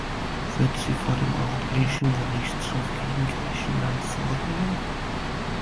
Wird sie vor dem Europäischen Gerichtshof gegen Griechenland vorgehen?